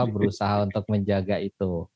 berusaha untuk menjaga itu